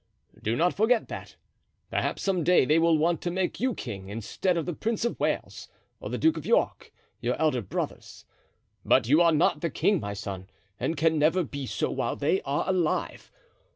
Do not forget that. Perhaps some day they will want to make you king, instead of the Prince of Wales, or the Duke of York, your elder brothers. But you are not the king, my son, and can never be so while they are alive.